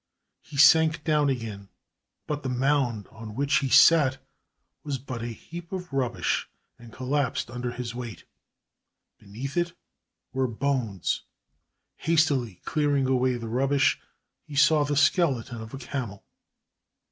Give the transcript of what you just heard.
He sank down again, but the mound on which he sat was but a heap of rubbish and collapsed under his weight. Beneath it were bones. Hastily clearing away the rubbish, he saw the skeleton of a camel.